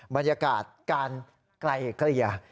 บรรยากาศการไกลเกลี่ย